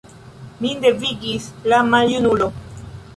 Min devigis la maljunulo.